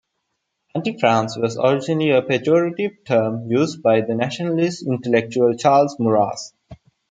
"Anti-France" was originally a pejorative term used by the nationalist intellectual Charles Maurras.